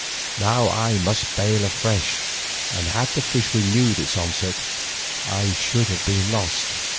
Now I must bail afresh, and had the fish renewed its onset, I should have been lost.